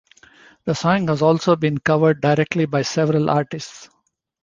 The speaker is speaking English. The song has also been covered directly by several artists.